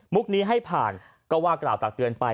นี้ให้ผ่านก็ว่ากล่าวตักเตือนไป